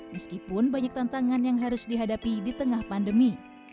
meskipun banyak tantangan yang harus dihadapi di tengah pandemi